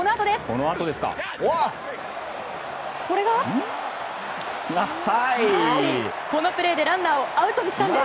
このプレーでランナーをアウトにしたんです。